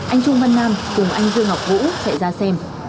anh trung văn nam cùng anh vương ngọc vũ chạy ra xem